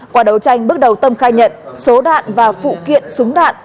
qua đấu tranh bước đầu tâm khai nhận số đạn và phụ kiện súng đạn